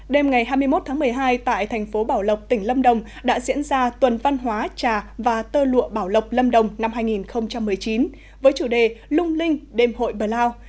đêm ngày hai mươi một tháng một mươi hai tại thành phố bảo lộc tỉnh lâm đồng đã diễn ra tuần văn hóa trà và tơ lụa bảo lộc lâm đồng năm hai nghìn một mươi chín với chủ đề lung linh đêm hội bờ lao